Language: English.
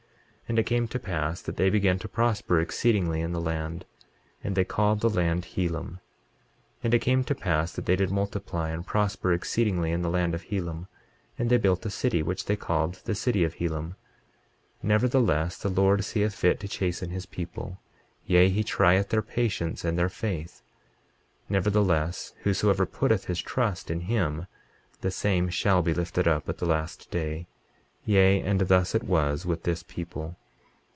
23:19 And it came to pass that they began to prosper exceedingly in the land; and they called the land Helam. 23:20 And it came to pass that they did multiply and prosper exceedingly in the land of Helam; and they built a city, which they called the city of Helam. 23:21 Nevertheless the Lord seeth fit to chasten his people; yea, he trieth their patience and their faith. 23:22 Nevertheless—whosoever putteth his trust in him the same shall be lifted up at the last day. Yea, and thus it was with this people.